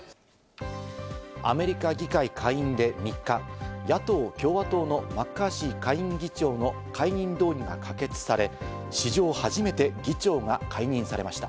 アメリカ議会下院で３日、野党・共和党のマッカーシー下院議長の解任動議が可決され、史上初めて議長が解任されました。